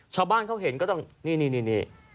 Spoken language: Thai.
ชาวบ้านเขาเห็นก็ต้องนี่